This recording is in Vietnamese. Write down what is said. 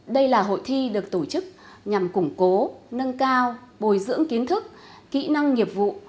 đây là hội thi được tổ chức nhằm củng cố nâng cao bồi dưỡng kiến thức kỹ năng nghiệp vụ